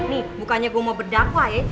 nih bukannya gue mau berdakwah ya